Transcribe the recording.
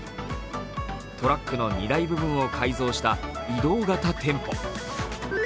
トラックの荷台部分を改造した移動型店舗。